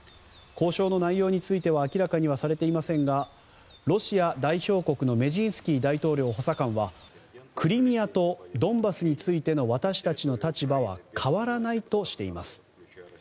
交渉の内容については明らかにはされていませんがロシア代表団のメジンスキー大統領補佐官はクリミアとドンバスについての私たちの立場は変わらないとしています。